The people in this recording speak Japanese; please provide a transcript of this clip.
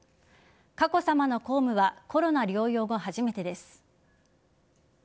佳子さまの公務はコロナ療養後初めてです。